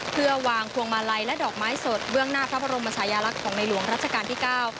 เพื่อวางพวงมาลัยและดอกไม้สดเบื้องหน้าพระบรมชายลักษณ์ของในหลวงรัชกาลที่เก้า